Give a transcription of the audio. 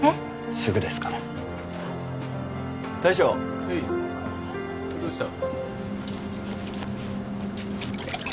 すぐですから大将はいどうした？